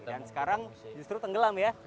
dan sekarang justru tenggelam ya